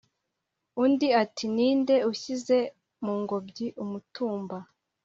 undi ati"ninde ushyize mungobyi umutumba?"